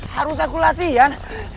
harus aku latihan